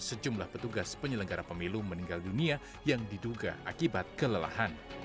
sejumlah petugas penyelenggara pemilu meninggal dunia yang diduga akibat kelelahan